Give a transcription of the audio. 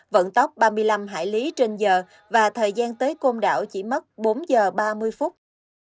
vận tốc ba mươi năm hải lý trên giờ và thời gian tới côn đảo chỉ mất bốn giờ ba mươi phút